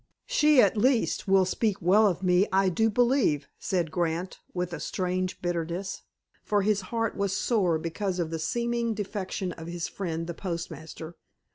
"She, at least, will speak well of me, I do believe," said Grant, with a strange bitterness, for his heart was sore because of the seeming defection of his friend, the postmaster.